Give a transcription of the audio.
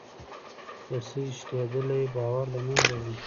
رسۍ شلېدلې باور له منځه وړي.